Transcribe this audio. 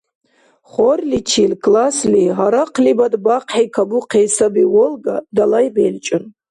Хорличил классли «Гьарахълибад бахъхӀи кабухъи саби Волга» далай белчӀун.